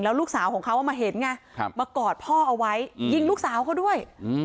ลูกสาวของเขามาเห็นไงมากอดพ่อเอาไว้ยิงลูกสาวเขาด้วย